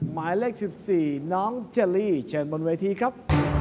หมายเลข๑๔น้องเจลลี่เชิญบนเวทีครับ